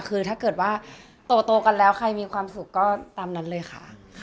คือถ้าเกิดว่าโตกันแล้วใครมีความสุขก็ตามนั้นเลยค่ะ